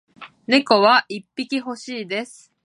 猫は一匹ほしいです